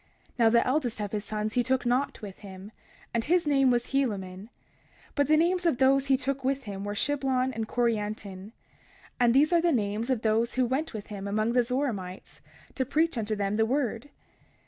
31:7 Now the eldest of his sons he took not with him, and his name was Helaman; but the names of those whom he took with him were Shiblon and Corianton; and these are the names of those who went with him among the Zoramites, to preach unto them the word.